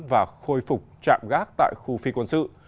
và khôi phục trạm gác tại khu phi quân sự